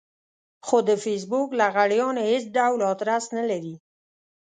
خو د فېسبوک لغړيان هېڅ ډول ادرس نه لري.